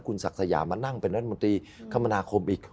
คุณศักดิ์สยามานั่งเป็นรัฐมนตรีคมนาคมอีก